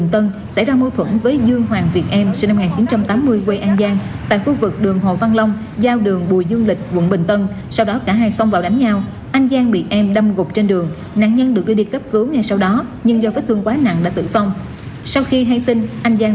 trước đó vào sáng cùng ngày anh giang sinh năm một nghìn chín trăm tám mươi hai ngồi quận bình tân